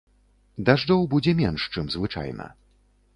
Дажджоў будзе менш, чым звычайна.